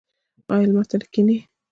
ایا لمر ته کینئ؟